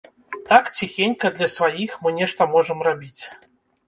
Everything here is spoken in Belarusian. Так, ціхенька, для сваіх, мы нешта можам рабіць.